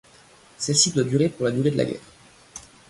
Celle-ci doit durer pour la durée de la guerre.